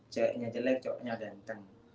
ceweknya jelek cowoknya ganteng